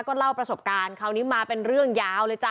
เล่าประสบการณ์คราวนี้มาเป็นเรื่องยาวเลยจ้